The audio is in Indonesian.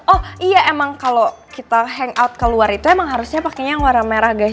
oh iya kalau kita hangout ke luar itu emang harusnya pakenya warna merah guys